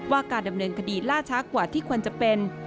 การดำเนินคดีล่าช้ากว่าที่ควรจะเป็น